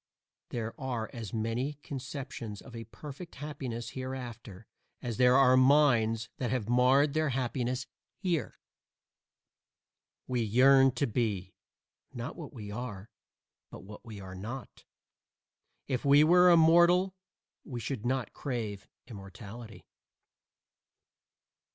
There are as many conceptions of a perfect happiness hereafter as there are minds that have marred their happiness here. We yearn to be, not what we are, but what we are not. If we were immortal we should not crave immortality.